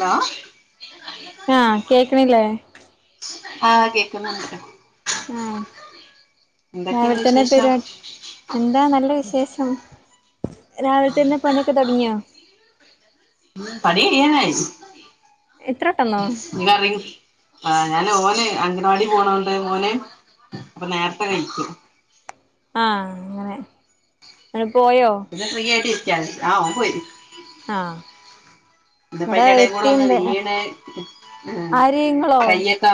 Law ആ കേക്കണില്ലേ ആ കേക്കണ്ണ്ട് ആഹ് എന്തൊക്കെയുണ്ട് രാവിലെ തന്നെ വിശേഷം പരിപാടി എന്താ നല്ല വിശേഷം രാവിലത്തെന്നെ പണിയൊക്കെ തുടങ്ങിയോ എത്രട്ടന്നോ വ ആഹ് ഞന് ഓനെ അംഗനവാടി പോണോണ്ട് ഓനെ പ്പോ നേരത്തെ കഴിക്കും ആഹ അങ്ങനെ അങ് പോയോ പ്യാജ ആ പോ ആഹ ഇന്ന്പ്പന്റെടെകൂടെ ഒന്ന് വീണ് ആര് ഇങ്ങളോ കയൊക്കാ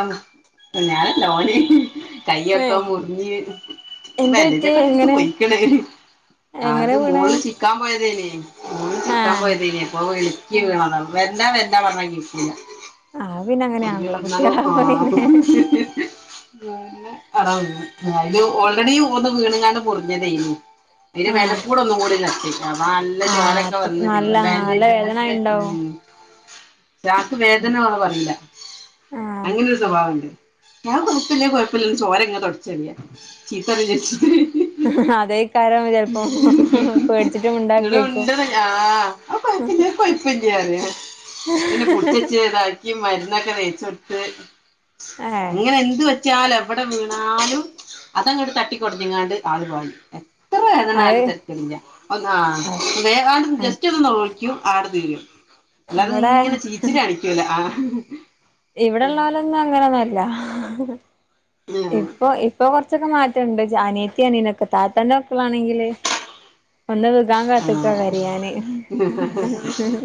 ഞാനല്ല ഓന് കയൊക്കെ ഏഹ് മുർഞ് എന്ത് പറ്റി വലിലൊക്കെ ഇട്ടെടുത്ത് എങ്ങനെ പൊയിക്കണ എങ്ങനെ അത് വീണ് മോള് ചിക്കാൻ പോയെ ിക്കമ്പ മോള് ചിക്കാൻ ആഹ് ആഹ് പോയേതേന് വേണ്ട വേണ്ട പറഞ്ഞാ ഇരിക്കൂല അത് പിന്നെ അങ്ങനെയാണല്ലോ അലും കുട്ടികളാവുമ്പോ ആ പിന്നെ അട ആ അത് ഓൾറെഡി ഒന്ന് വീണുംങ്ങാണ്ട് പൊറി ഞ്ഞതാനു അയ്‌ന്റെ ആഹ് മേലാകൂടെ ഒന്നൂടെ തട്ടി അപ്പ നല്ല ആഹ് ചോരൊക്കെ അപ്പൊ വന്ന നല്ല പിന്നെ നല്ല ബാൻഡേജ ഒക്കെ വേദന ഇട്ട് ഇണ്ടാവും ഉം ചാക്ക് വേദനാന്ന് പറയില്ല ആഹ് അങ്ങനെയൊസ്വാഭാവ ഞാൻ കൊടുപ്പില്ല കുഴപ്പില്ല ചോര ഇങ് തുടച്ചറിയ ചീത്തറയിച്ചിട്ട് അതെ ഇടെ ഉണ്ട മിണ്ടാക്കേക്കും ആ കൊയപ്പല്ല്യ കൊയപ്പല്ല്യ അച്ഛെ പിച്ചച്ചതാക്കി മരു ഒക്കെ വച്ചട്ട് ഏഹ് അങ്ങനെ എന്ത് ച്ചൽ എവിടെ വീണാലും അതങ്ങണ്ട് തട്ടിക്കൊടഞ്ഞിങ്ങാണ്ട് ആള് പോയ എത്ര അത് വേദനാലും തിരക്കേട്ല്ല ആ ആഹ് വേ ജസ്റ്റ് ഒന്ന് ഴിക്കും ആടു തീരും അല്ലത അവിടെ ഇങ്ങനെ ചീച്ചില് കാണിക്കൂല്ല ഇവിടെലോലെൊന്നും അ ങ്ങാനൊന്നെല്ല ഉം. ഇപ്പൊ ഇപ്പൊ കൊറച്ച് കുറച്ചൊക്കെ മാറ്റണ്ട് അനിയത്തി അനീനൊക്കെ താത്തന്നെ മ ക്കളാണെങ്കില് ഒന്ന് വികാൻ ആ. കാത്തുക്കെ കറയാന്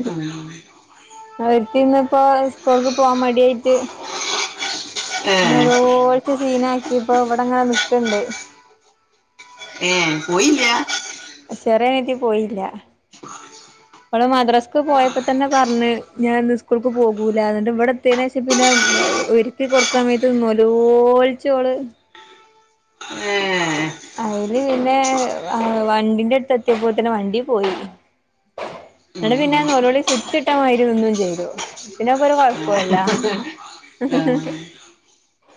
ഉം. അവരിത്തിന്നുപ്പോ സ്കൂൾക്ക് പോവാൻ മടി തീ ഏ നേലോലിച്ചു സീനാക്കിയപ്പോ ആക്കിപ്പോ ഇവിടെങ്ങനെ ക്കണ്ട് ഏ പോയില്ല്യാ ചെറിയാനീത്തി പോയില്ല അള് മദ്രാസക്ക് പോയപ്പോ തന്നെ പറണ് ഞാൻന്ന്‌ സ് സ്കൂൾക്ക് പോകൂലന്നിട്ട് ഇവിടെതെനുശേഷം പിന്നെ ഒര്ക്കി കൊടുക്കണമയത്ത് നൊലോിച്ചോള അ ഉം അയില് ന്നെ വണ്ടിന്റെ അടുത്ത് എത്തിയപ്പോത്തിന് തന്നെ വണ്ടി പോയി എന്നട്ട് ഉം. പിന്നെനേലോളി സുചിട്ടമായിരി നിന്നും ചെയ്തു പിന്നെക്കെരു ആ. കുഴപ്പോല്ലാ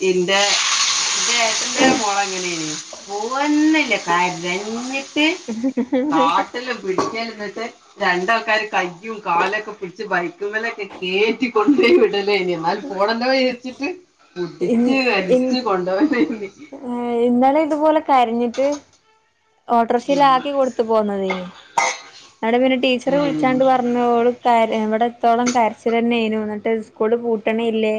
എന്റെ എന്റെ ഏട്ടന്റെ മോളങ്ങനെ പോവന്നില്ല കരഞ്ഞ് റ്റ് കാട്ടില് പിടിക്കാരുന്നിട്ട് രണ്ടാൾക്കാര് കയ്യും കാലൊക്കെ പിടിച്ച് ബൈക്ക്മേലെ കെറ്റിയേറ്റ് കൊണ്ട് വിടല്ലേ ഇനി എന്നാൽ പോണന്ന് വെർച്ചിട്ട് പിടിച്ചു വരിച്ചു കൊണ്ടോവേം ചെയ്ത് ഏ ഇന്നാലെ ഇതുപോലെ കരഞ്ഞിട്ട് ഉം. ഓട്ടോറിക്ഷയിലാക്കി കൊടുത്തു പോന്നതേനു അവിടെ പിന്നെ ടീച്ചറെ ഉം. വിളിച്ചാണ്ട് പറഞ്ഞോള് ക കാര്യം എവിടെത്തോളം കരച്ചിലന്നേനുന്നിട്ട് സ്കൂള് പൂട്ടണേ അല്ലേ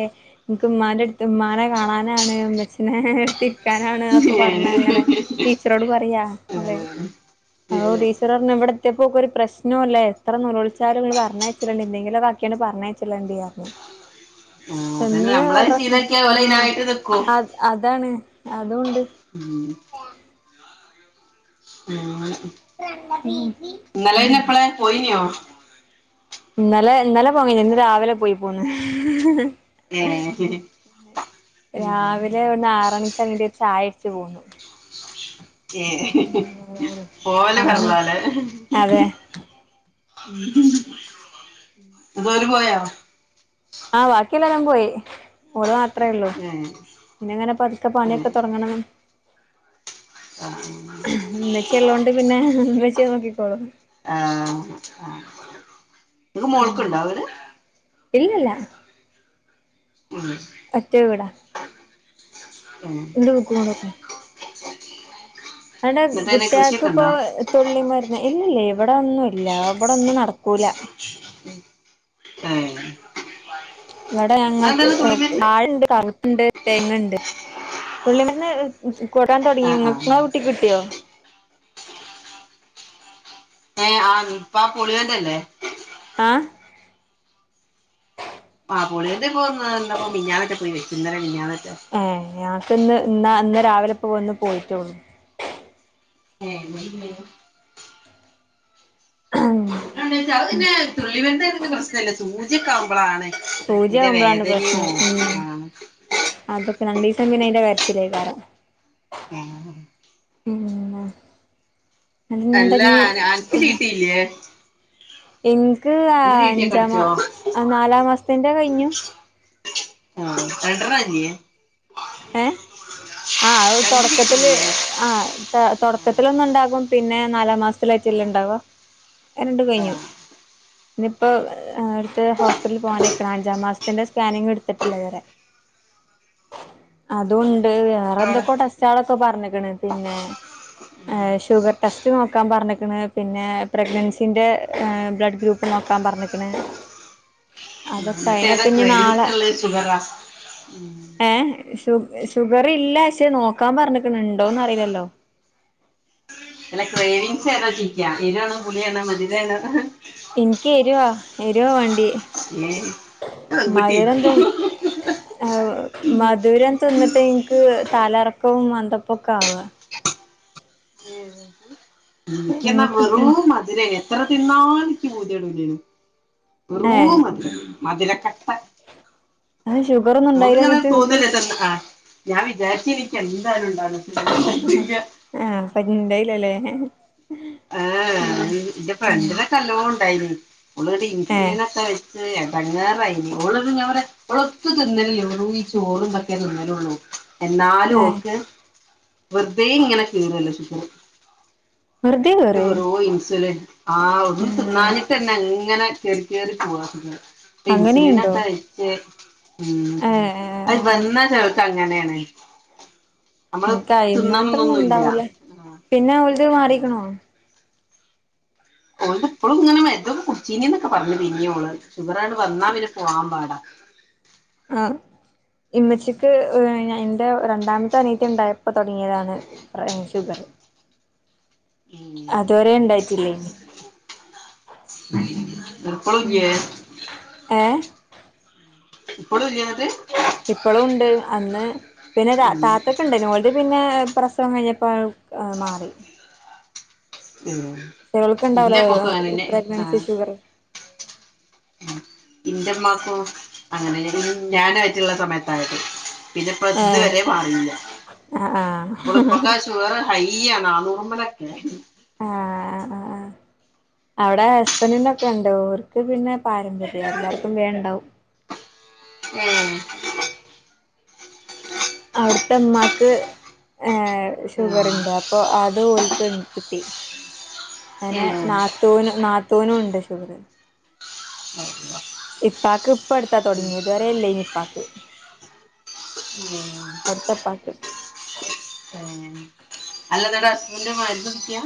എൻക്കുമ്മാന്റെ അട് തുമ്മാനെ കാണാനാണ് ഉമ്മച്ചിനെ ഒരുത്തി ക്കാനാണ് ഒക്ക ഉം. പറഞ്ഞങ്ങനെ ടീച്ചറോട് പറയാ ഓള് ഉം. ഓ ടീച്ചറ്പറഞ്ഞ് ഇവിടെ ഇറ്റപ്പോക്കൊരു പ്രശ്നോല്ലേ എത്ര നോൽച്ചാലും നിങ്ങള് പറഞ്ഞയിച്ചി ട്ടുണ്ട് എന്തെങ്കിലൊക്കിയാണ് പറഞ്ഞേച്ചില്ലുണ്ടിയാ [unintelligible] ആ അതന്നെ നമ്മളത് ഡ്രസ്സ് ശീലാക്കിയ ഓല് ആഹ് അതിനായിട്ട് നിക്കും അത് അതാണ് അതുണ്ട് ഉം [unintelligible] ആ ഇന്നലെ ഇന്ന് എപ്പള് പോയിനോ ഇന്നല ഇന്നല പോങ്ങീന്ന് ഇന്ന് രാവിലെ പോയി പോന്ന് ഏ ഉം. രാവിലെ ഒണ് ആറൊണിക്ക് എണീടേച്ച് ചായ ച്ച് പോന്നു ഏയ് പോല് അങ്ങനെ പറന്നോല് അതെ ഇപ്പോര് പോയോ ആഹ് ബാക്കിയെല്ലാരും പോയി ഓള് മാത്രേ ഉള്ളൂ ഏ പിന്നെങ്ങനെ പതുക്ക പണിയൊക്കെ ഏ തൊടങ്ങണം ആഹ് ഉമ്മച്ചിയിള്ളോണ്ട് പിന്നെയ്മ്മച്ചി നോക്കിക്കോളും ആഹ് ഇത് ഉം മോൾക്കുണ്ടോ അവര് ഇല്ലല്ല ഉം ഒറ്റവീടാ ഉം എന്തെടുക്കുവാണൊക്കെ അവിടെ എന്നിട്ടെങ്ങനെ കുട്ടിൾക്ക് കൃഷിയൊക്കെ ഇപ്പൊ ഉണ്ടോ തുള്ളി മരുന്ന് ഇല്ലല്ലേ ഇവിടെ ഒന്നും ഇല്ല അവിടെ ഒന്നും നടക്കുല് ഇല്ല ഏ ഇവിടെ ഞങ്ങക്ക് വാഴ്ണ്ട് കറു ഉണ്ട് തേങ്ങ്ണ്ട് തുള്ളി മരുന്ന് കൊടാൻ തുടങ്ങി ആഹ് നിങ്ങ് ആഹ് നിങ്ങളകുട്ടിക്ക് കിട്ടിയോ ഏ ആ ഇപ്പം പുളിയോന്റല്ലേ ആ ആ പുളിയിന്റെപോ ന്നറിഞ്ഞപ്പോ മിഞ്ഞാൻ വെച്ച പൊയി വെക്കുന്നേ രം ഏ ഞങ്ങക്ക് ഇന്ന് ഇന്നാ ഇന്ന് രാവിലെ ഇപ്പൊ വന്ന് പോയിട്ടേ ഉള്ളു [unintelligible] അന്റച്ച അത് പിന്നെ തുള്ളി മെരുന്ന് അങ്ങനപ്രശ്നല്ല സൂചിക്ക ആവുമ്പളാണേ സൂചി ആവുമ്പളാണ് പ്രശ്നം ഉം ആഹ് അതൊക്കെ രണ്ടി റ്റ് അങ്ങയിന്റെ കരച്ചിലേ കാരം ആഹ് ഉം അല്ല അതെന്താഞ്ഞ് അനക്ക് ടി അപ്പോ ടി ഇല്ലേ എൻക്ക് അന്റെ ടി ടി ഒക്കെ അഞ്ചാം മ അടിച്ചോ നാലാം മാസത്തിന്റെ കഴിഞ്ഞു ആഹ് കണ്ടറാജിയേ ഏ ആ രണ്ട് തൊടക്കത്തില് വീട്ടില്ലേ ആ തൊടക്കത്തിലൊന്ന് ഉണ്ടാകും പിന്നെ നാലാം മാസത്തിലാറ്റ് എല്ലാം ഇണ്ടാവ രണ്ട് ആ കഴിഞ്ഞു ഇനിയിപ്പോ അടുത്ത് ഹോസ്പിറ്റലിൽ പോകാനയിക്കിന് അഞ്ചാം മാസത്തിന്റെ സ്കാനിങ്ങ് എടുത്തിട്ടില്ല ഇതിവരെ [inaudible] അതുണ്ട് വേറെ അവിടെ എന്തൊക്കെ ടെസ്റ്റാളൊക്കെ പറഞ്ക്ക്ണ് പിന്നെ ഉം. ആ ഉം. ഷുഗർ ടെസ് നോക്കാൻ പറഞ്ഞേക്കാണ് പിന്നെ പ്രഗ്നൻസിൻ്റെ ബ്ലഡ് ഗ്രൂപ്പ് നോക്കാൻ പറഞ്ഞേക്ണ് എന്നിട്ട് ഏതാ നാളെ ക്രീവിൻസുള്ളത് ഷുഗറാ ഉം ഏഹ് ഷു ഷുഗർ ഇല്ല പക്ഷേ നോക്കാൻ പറഞ്ഞിക്ക്ണ് ണ്ടോന്നറിയില്ലല്ലോ അല്ല ക്രവിങ്സ് ഏതാന്നു ചോദിക്ക എരുവണോ പുളിയണോ മധുരാണോ ഇനിക്ക് എരുവാ എരുവാ വേണ്ടിയെ [inaudible] മധുരം തി മധുരം തിന്നിട്ട് ൻക്ക് തലറക്കവും മന്തപ്പൊക്കെ ആവ എനിക്കെന്ന നിങ്ങക്ക് വെറും ഉം മധുരയായിരുന്ന് എത്ര തിന്നാലും എനിക്ക് പൂതിയടയൂലായിരുന്നു ഏഹ് വെറും മധുരം മധുരക്കട്ട അത് ഷുഗർ ഒന്നും ട്ട ഉണ്ടായില്ല നമക്ക്ങ്ങനെ എന്നിട്ട് നിങ്ങക്ക് തോന്നല്ലേ ആ ഞാൻ വിചാരിച്ചിനിക്ക് എന്തായാലും ഉണ്ടാകുന്ന് ആ അപ്പോ ഇണ്ടായിലല്ലേ ആ ന്റെ ഉം ഫ്രണ്ടിനൊക്കെ നല്ലോണം ണ്ടായ്ന് ഓള് ന്ന്ട്ട് ഏഹ് ഇൻസുലിനൊക്കെ വെച്ച് ഏ ഇടങ്ങേറായിന്നി. ഓൾ ഞാൻ പറയാ ഓൾ യെത്തും തിന്നാലില്ലെനി ഓൾ ഈ ചോറും കഞ്ഹീം തിന്നലാല്ലു എന്നാലും ഏഹ് ഒക്കെ വേർതെ ഇങ്ങനെ കേറുവല്ലേ ഷുഗർ വെറുതെ കേറിയോ ഓരോ ഇൻസുലിൻ ആ ഒന്നും ഏഹ് തിന്നാഞ്ഞിട്ടെന്നെ അങ്ങനെ കേറി കേറി പോവാ ഇങ്ങനെ അങ്ങനെയുണ്ടോ ഇൻസുലിനൊക്കെ വെച്ച് ഉം ഏഹ് അത് ഏഹ് വന്നാ ചെലർക്ക് അങ്ങനെയാണ് ഉം ഇക്കയമാത്രം ഉണ്ടാവൂല ആഹ് പിന്നെ ഓൾതു മാറിക്കിനോ ഓൾത് ഇപ്പളും ങ്ങനെ മരുന്നൊക്കെ കുടീച്ചീനി ന്നൊക്കെ പറഞ്ഞു പിന്നിം ഓള് ഷുഗറങ്ങട്ട് വന്നാ പിന്നെ പോവാൻ പാടാ ആഹ ഇമ്മച്ചിക്ക് ന്റെ രണ്ടാമത്തെ അനിയത്തി ണ്ടായപ്പോ തൊടങ്ങിയതാണ് പ്ര ഷുഗർ [inaudible] ഉം അതുവരെ ണ്ടായിട്ടില്ലേനി ഏഹ് [unintelligible] [inaudible] ഇപ്പളും ണ്ട് അന്ന് പിന്നെ ഉം താത്തയ്ക്ക് ണ്ട് ഓൾത് പിന്നെ പ്രസവം കഴിഞ്ഞ പ്പോ ആ മാറി ഉ ചെലോൽക്ക് ഇണ്ടാവൂലേ ഇന്റെ പൊക്ക അങ്ങനാന്നെ ആഹ പ്രഗ്നൻസി ഷുഗർ എന്റെ ഉമ്മാക്കും അങ്ങനെ ഞാനും ആയിട്ടുള്ള സമയത്താണ് പിന്നെ പ്ര ഇത് ഏഹ് വരെ മാറില്ല ആഹ് ഓള് ഇപ്പൊക്കെ ആഹ് ഷുഗർ ഹൈ ഇയാനോ [inaudible] ആ ആ ആ ആ അവിടെ ഹസ്ബൻഡിനൊക്കെ ണ്ട് ഓർക്ക് പിന്നെ പാരമ്പര്യ എല്ലാർക്കും വേ ണ്ടാവും ഉം അവിടത്തെ ഉമ്മാക്ക് ഏ ആഹ് ഷുഗരുണ്ട് അപ്പൊ അത് ഓല്ക്.. [inaudible] അങ്ങനെ ഏഹ് നാത്തുന് നാത്തുന്നും ഉണ്ട് ഷുഗർ ഇപ്പാക്ക് ഇപ്പടുത്താ തൊടങ്ങിയത് ഇതുവരെ ഇല്ലേയ്ന്ന് ഇപ്പാക്ക് ഏഹ് അവിടുത്തെ ഇപ്പക്ക് അല്ലല്ല നിൻ്റെ ഹസ്ബൻ്റ് മരുന്നുടിക്ക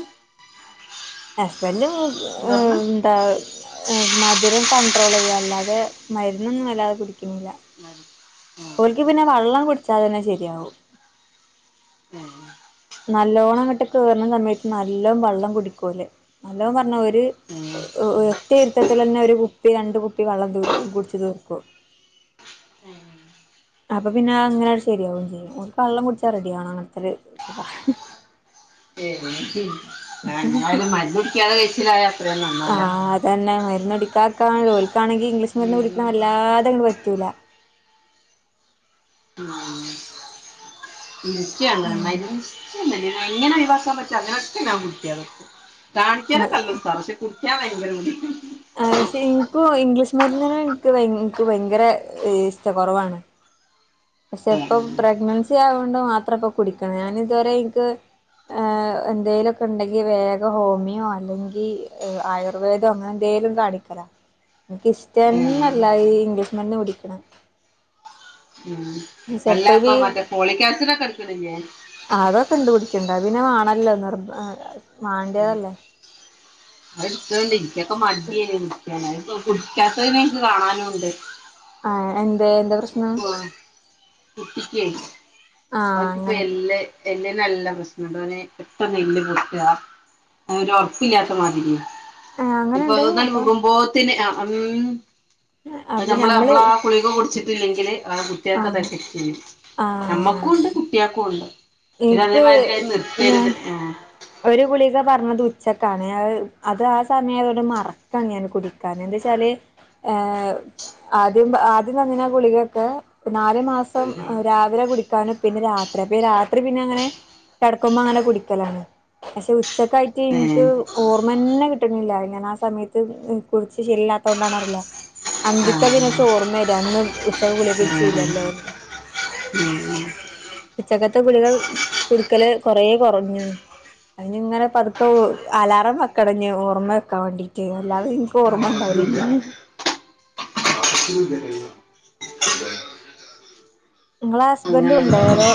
ഹസ്ബൻ്റ് [inaudible] മധുരം കൺട്രോൾ ചെയ്യാ അല്ലാതെ മരുന്നൊന്നും അല്ലാതെ കുടിക്കുന്നില്ല ആഹ് ഓല്ക്ക് പിന്നെ വള്ളം കുടിച്ചാൽ തന്നെ ശരിയാവും നല്ലോണം അങ്ങട്ട് കേയറുന്ന സമയത്ത് നല്ലോ വെള്ളം കുടിക്കൂല്ലേ നല്ലോണം പറഞ്ഞ ഒര് ഒറ്റ ഇരുത്തത്തിൽ തന്നെ ഒരു കുപ്പി രണ്ട കുപ്പി വെള്ളം കുടിച്ചു തീർക്കും അപ്പൊ പിന്നെ അങ്ങനെ ശരിയാവും ചെയ്യും ഒരു വള്ളം കുടിച്ചാ റെഡി ആണോ അങ്ങനത്തെ ഒരു ത [unintelligible] യാലും മല്ലടിക്കാതെ കഴിച്ചില്ല അത്ര [inaudible] ആഹ് അതന്നെ മരുന്ന് കുടിക്കാക്കാ ജോലിക്കാണെങ്കി ഇംഗ്ലീഷ് മരുന്ന് കുടിക്കണം വല്ലാതെ പ റ്റുല നി്ചയ ഉ നിശ്യം തന്ന എങ്ങനെ ഒഴിവാക്കാൻ പറ്റും അതിനൊക്കെ [inaudible] ഞാൻ കുട്ടി അതൊക്കെ കാണിക്കാന നല്ല ഉസാറാ പക്ഷെ കുടിക്കാൻ ഭയങ്കര ബുദ് ആ [unintelligible] എനിക്ക് ഇംഗ്ലീഷ് മരുന്ന എനിക്ക് ഭ ഭയങ്കര ഇഷ്ടഷ കൊറവാണ് പക്ഷെ ഇപ്പൊ പ്രഗ്നൻസി ആയൊണ്ട് മാത്രം ഇപ്പ കുടിക്കണം ഞാൻതുവരെ എനിക്ക് എന്തെേലുംക്കെ ഉണ്ടെങ്കിൽ വേഗ ഹോമിയോ അല്ലെങ്കിൽ ആയുർവേദോ അങ്ങനെ എന്ത എലും കാണിക്കലാ എനിക്ക ഇഷ്ടന്നല്ല ഈ ഇംഗ്ലീഷ് മര്ന്ന് കുടിക്കണേ - - ഉം അല്ല അപ്പ മറ്റേ പോളിക്സിഡൊക്കെ അടുക്കണിലേ? ആ അതൊ കണ്ടണ്ട്ടിക്കണ്ട പിനെ വണല്ലോ നിർ ഉ വാണ്ടിയതല്ലേ അ ഇണ്ട് ഇരിക്കൊക്കെ മടിയല്ല നി [inaudible] കുടിക്കാത്തതിന് കാണാനുംണ്ട് ആഹ എന്താ എന്താ പ്രശ്നം കുട്ടിക്ക ആ അവക്കിപ്പ അങ്ങനെ എല്ല നല്ല പ്രശ്നുണ്ട് അവനെ പെട്ടും എല്ല് പൊട്ടുക ഉറപ്പില്ലാത്ത മാതിരി ആ അങ്ങനെണ്ട് ഇപ്പൊന്നാണ് അപ്പൊ വികുമ്പോത്തിന് ഉ അത് അപ്പൊ നമ്മള് നമ്മള ഞമ്മള് ആ കുളികികെ കുടിച്ചിട്ടില്ലെങ്കിൽ ആ ഥ നമ്മക്കും ഉണ്ട് കുട്ടികക്കും ഉണ്ട് പിന്നെ എനിക്ക് അതേമാതിരി അത് ഞാൻ നിർത്തരുത് ആഹ് ഒരു ഗുളിക പറഞ്ഞത് ഉച്ചക്കാണ് അത് ആ സമയതോണ്ട് മറക്കാൻ ഞാൻ കുടിക്കാൻ എ ചാല് ആദ്യം തന്നിനാ ഗുളികൊക്കെ ഇ നാല് മാസം രാവിലെ കുടിക്കാനും പിന്നെ രാത്രി അപ്പ രാത്രി പിന്നെ അങ്ങനെ കടക്കുമ്പ അങ്ങനെ കുടിക്കലാണ് പക്ഷെ ഉച്ചക്കയിട്ട് ഏഹ് എനിക്ക് ഓർമ്മ തന്നെ കിട്ടണില്ല. അങ്ങെ ആ സമയത്ത് കുച്ച് ശരിയല്ലാത്ത കൊണ്ടാണല്ല അറില്ല അന്തിക്ക ആഹ് പിന്നെ ചോർ അന്ന് ഉച്ചക്ക് ഗുളിക കുടിച്ചല്ലല്ലോന്ന് ഉച്ചക്കത്തെ ഗളികൾ കുടിക്കല് കൊറ കുറഞ്ഞ് അതി ഇങ്ങനെ പതുക്കെ അലാറം വക്കണം ഓർമ്മയ വക്കാൻ വേണ്ടീട്ട് അല്ലാതെ എനിക്ക് ആഹ് ഓർമ്മ ഉണ്ടാവു അല്ലങ്ക [inaudible] [unintelligible] നിങ്ങളെ ഹസ്ബൻഡ അങ്ങനെല്ലേ ഉണ്ടോ അതോ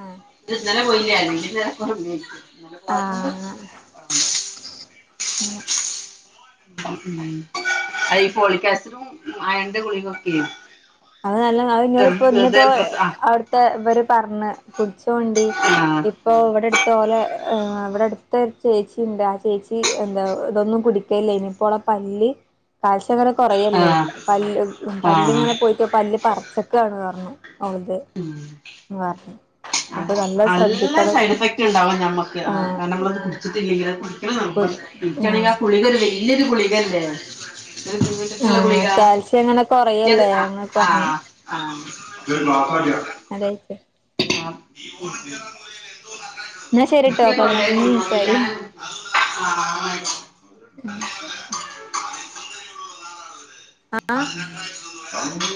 ആഹ ഇ ഇന്നലെ പോയില്ലീറ ഇന്നലെ പോകാത്തോണ്ട് ആഹ് ങ്ങനെ ഉ അ ഫോളിക്കാസിടും അയൺന്റെ ഗുളിക ഒക്കെയ അത് നല്ല ഇന്നോട് ഇപ്പ ഇന്നിപ്പോ ആ അവിടുത്തെ ഇവര് പറഞ് വിൾച്ച - - ണ്ട ആ ഇപ്പൊ ഇവിടെടു പോലെ ഇവിടെ അടുത്ത ചേച്ചി ഉണ്ട് ആ ചേച്ചി എന്താ ഇതൊന്നും കുടിക്കല്ല ഇനിയിപ്പോൾ പല്ലി കാ പച്ചങ്ങനെ കുറയല്ലേ പല്ല് ആ പല്ല് ഇങ്ങനെ പോയിട്ട് പല്ല് പറച്ചക്ക ആണ് റഞ്ഞു ഓൾത് ഉം. എന്ന് പറഞ്ഞു ആ അപ്പൊ നല്ല നല്ല ശ്രദ്ധിക്കണം സൈഡ് എഫക്റ്റ് ഉണ്ടാവും ഞമ്മുക്ക് കാരണം ആഹ് നമ്മളത് കുടിച്ചിട്ടില്ലെങ്കിൽ ന എനിക്കാണെങ്കിൽ ആ ആഹ് ഗുളിക ഒരു വലിയൊരു ഗുളികല്ലേ ള്ള ആഹ് കാൽസ്യം അങ്ങനെ ഗുളികത് കൊറയല്ലേ ആ അങ്ങനൊക്കെ ആ പറഞ്ഞ് ആ അതായിത് ഇ കൊണ്ട എന്നാ ശരിട്ടോ പതിനെട്ട് കൊ മിനിറ്റായി ആഹ ആയിട്ട ഉം അതിനക്ക